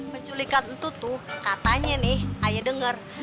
penculikan itu tuh katanya nih ayah denger